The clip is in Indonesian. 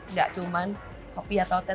nggak cuman kopi atau teh